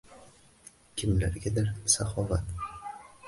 Kimlargadir — saxovat.